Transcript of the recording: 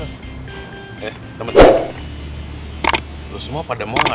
eh temen temen lo semua pada mau gak